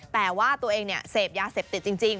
แต่ว่าตัวเองเสพยาเสพติดจริง